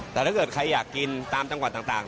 แต่ถ้าเกิดใครอยากกินตามจังหวัดต่าง